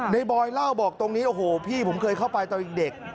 บอยเล่าบอกตรงนี้โอ้โหพี่ผมเคยเข้าไปตอนเด็ก